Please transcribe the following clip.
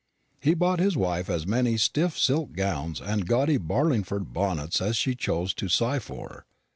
He bought his wife as many stiff silk gowns and gaudy Barlingford bonnets as she chose to sigh for.